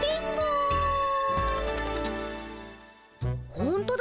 ほんとだ。